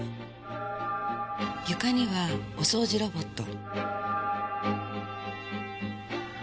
床にはお掃除ロボット。